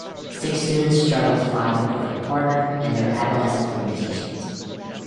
Six students struggle to find the perfect partner and their adolescent limitations.